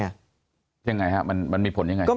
ยังไงฮะมันมีผลยังไง